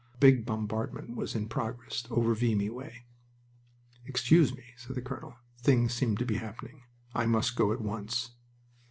A big bombardment was in progress over Vimy way. "Excuse me," said the colonel; "things seem to be happening. I must go at once."